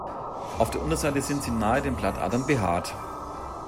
Auf der Unterseite sind sie nahe den Blattadern behaart.